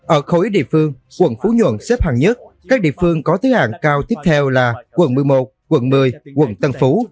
ở khối địa phương quận phú nhuận xếp hàng nhất các địa phương có thứ hạng cao tiếp theo là quận một mươi một quận một mươi quận tân phú